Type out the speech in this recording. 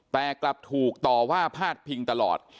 แต่กลับถูกต่อว่าพาดพิงตลอด